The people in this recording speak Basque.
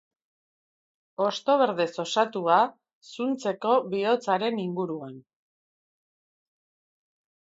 Hosto berdez osatua, zuntzeko bihotzaren inguruan.